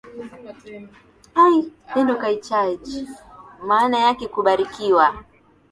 Maana yake kubarikiwa.